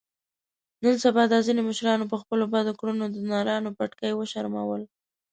نن سبا دا ځنې مشرانو په خپلو بدو کړنو د نرانو پټکي و شرمول.